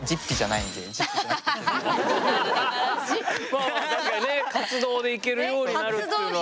まあ確かにね活動で行けるようになるっていうのは。ね。